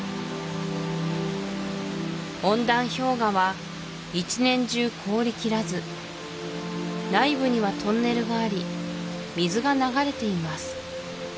温暖氷河は一年中凍りきらず内部にはトンネルがあり水が流れています